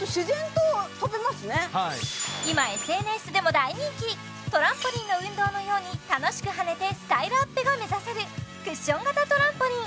今ＳＮＳでも大人気トランポリンの運動のように楽しく跳ねてスタイルアップが目指せるクッション型トランポリン